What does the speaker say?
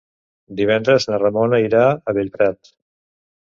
Divendres na Ramona irà a Bellprat.